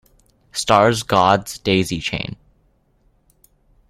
Stars God's daisy chain.